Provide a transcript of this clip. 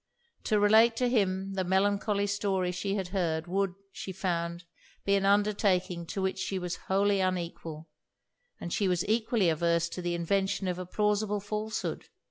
To relate to him the melancholy story she had heard, would, she found, be an undertaking to which she was wholly unequal; and she was equally averse to the invention of a plausible falsehood.